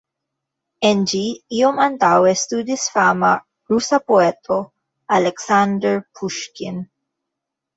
En ĝi iom antaŭe studis fama rusa poeto Aleksandr Puŝkin.